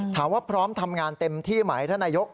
ถามว่าพร้อมทำงานเต็มที่ไหมท่านนายก